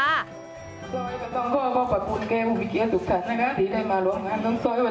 ซ่อยขอบคุณเกมภิเกษทุกท่านที่ได้มาร้องงานน้องซ่อยสวัสดี